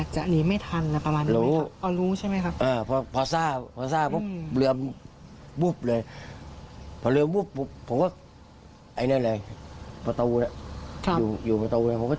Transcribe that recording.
มันไม่ทันพี่เบิร์ต